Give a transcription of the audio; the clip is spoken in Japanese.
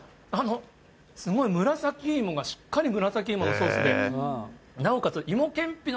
すごい紫芋がしっかり紫芋のソースで、なおかつ芋けんぴの